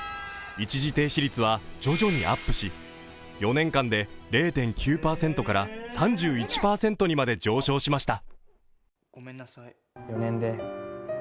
一時停止率は徐々にアップし４年間で０．９％から３１％にまで上昇しました。